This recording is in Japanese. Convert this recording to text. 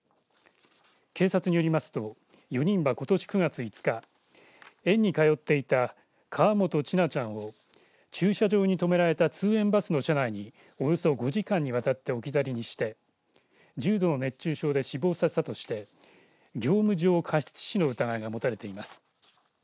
警察によりますと４人はことし９月５日園に通っていた河本千奈ちゃんを駐車場に止められた通園バスの車内におよそ５時間にわたって置き去りにして重度の熱中症で死亡させたとして業務上過失致死の疑いが持たれています。